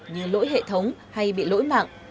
như lỗi hệ thống hay bị lỗi mạng